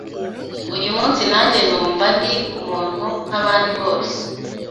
uyu munsi nanjye numva ndi umuntu nk’abandi bose